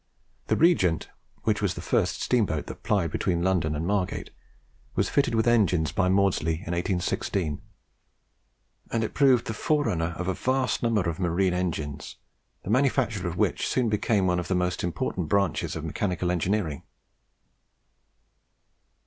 The 'Regent,' which was the first steamboat that plied between London and Margate, was fitted with engines by Maudslay in 1816; and it proved the forerunner of a vast number of marine engines, the manufacture of which soon became one of the most important branches of mechanical engineering.